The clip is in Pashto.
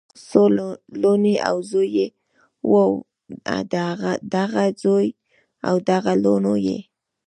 څو لوڼې او زوي یې وو دغه زوي او دغه لوڼو یی